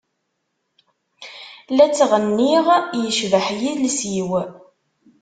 La ttɣenniɣ yecbeḥ yiles-iw.